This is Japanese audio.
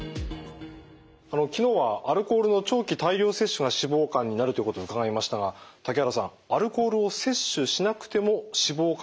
昨日はアルコールの長期大量摂取が脂肪肝になるということ伺いましたが竹原さんアルコールを摂取しなくても脂肪肝になることがあるんですね？